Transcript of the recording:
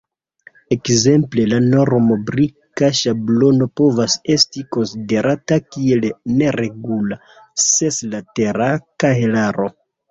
Ekzemple, la norma brika ŝablono povas esti konsiderata kiel neregula seslatera kahelaro.